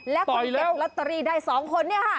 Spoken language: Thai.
และคนเก็บลอตเตอรี่ได้๒คนนี้ค่ะ